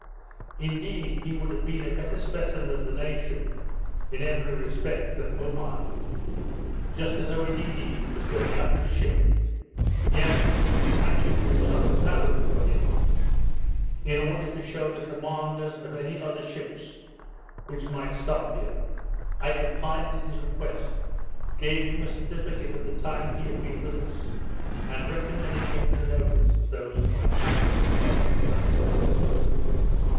Indeed, he would have been a better specimen of the nation, in every respect, than Omai. Just as Oedidee was going out of the ship, he asked me to Tatou some Parou for him, in order to shew the commanders of any other ships which might stop here. I complied with his request, gave him a certificate of the time he had been with us, and recommended him to the notice of those who might afterwards touch at the island.